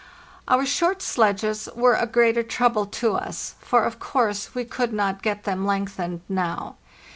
Our short sledges were a greater trouble to us, for of course we could not get them lengthened now.